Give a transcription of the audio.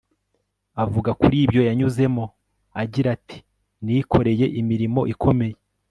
avuga kuri ibyo yanyuzemo agira ati nikoreye imirimo ikomeye